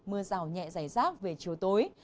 mưa rào nhẹn dày rác về chiều tối